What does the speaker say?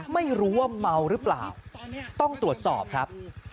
ไม่รู้ว่าเมาหรือเปล่าต้องตรวจสอบครับ